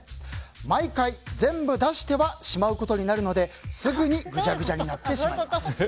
毎回、全部出してはしまうことになるのですぐにぐちゃぐちゃになってしまいます。